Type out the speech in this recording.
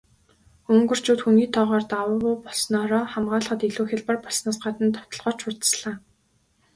Унгарчууд хүний тоогоор давуу болсноороо хамгаалахад илүү хялбар болсноос гадна довтолгоо ч хурдаслаа.